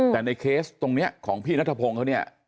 แต่ในเคสตรงนี้ของพี่นัทพงศ์เขาเนี่ย